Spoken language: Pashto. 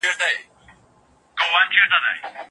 پیدا سوی چي جهان ژوند او روز ګار دی